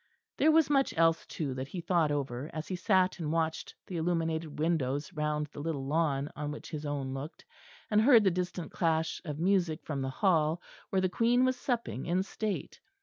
There was much else too that he thought over, as he sat and watched the illuminated windows round the little lawn on which his own looked, and heard the distant clash of music from the Hall where the Queen was supping in state.